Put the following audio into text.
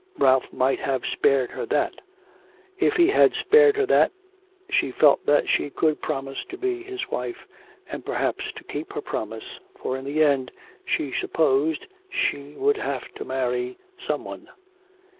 Ralph might have spared her that. If he had spared her that she felt that she could promise to be his wife, and perhaps to keep her promise, for in the end she supposed she would have to marry some one.